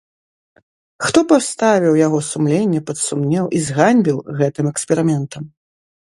Хто паставіў яго сумленне пад сумнеў і зганьбіў гэтым эксперыментам.